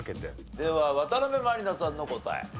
では渡辺満里奈さんの答え。